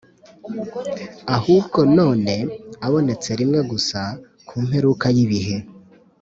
Ahubwo none abonetse rimwe gusa ku mperuka y'ibihe,